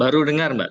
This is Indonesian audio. baru dengar mbak